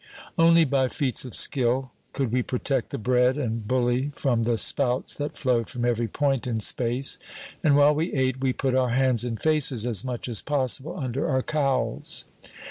Only by feats of skill could we protect the bread and bully from the spouts that flowed from every point in space; and while we ate we put our hands and faces as much as possible under our cowls.